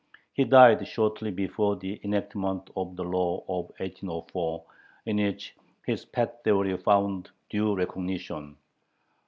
He died shortly before the enactment of the law of 1804, in which his pet theory found due recognition.